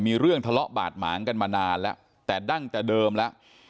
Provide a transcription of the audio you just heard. มีเรื่องทะเลาะบาดหมางกันมานานแล้วแต่ดั้งแต่เดิมแล้ว